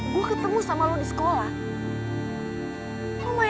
gue ketemu sama lo di sekolah